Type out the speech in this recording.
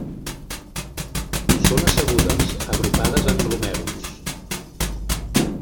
Són assegudes, agrupades en glomèruls.